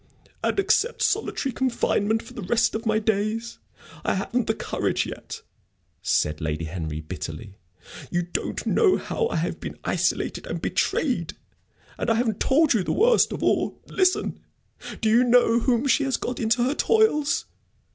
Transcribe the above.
"And accept solitary confinement for the rest of my days? I haven't the courage yet," said Lady Henry, bitterly. "You don't know how I have been isolated and betrayed! And I haven't told you the worst of all. Listen! Do you know whom she has got into her toils?"